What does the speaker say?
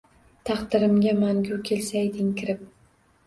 Taqdirimga mangu kelsayding kirib